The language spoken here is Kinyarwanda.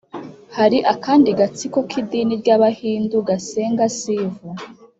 hari akandi gatsiko k’idini ry’abahindu gasenga siv